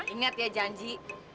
ingat ya janji